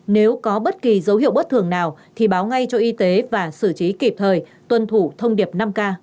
nếu có bất kỳ dấu hiệu bất thường nào thì báo ngay cho y tế và xử trí kịp thời tuân thủ thông điệp năm k